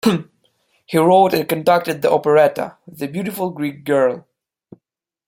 He wrote and conducted the operetta, "The Beautiful Greek Girl".